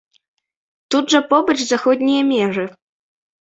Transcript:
Тут жа побач заходнія межы.